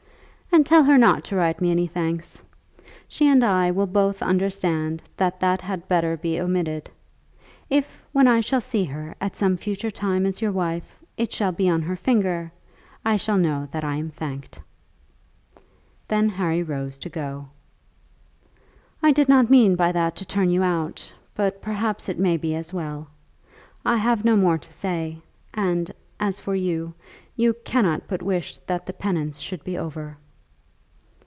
"And tell her not to write me any thanks. She and I will both understand that that had better be omitted. If, when I shall see her at some future time as your wife, it shall be on her finger, I shall know that I am thanked." Then Harry rose to go. "I did not mean by that to turn you out, but perhaps it may be as well. I have no more to say, and as for you, you cannot but wish that the penance should be over."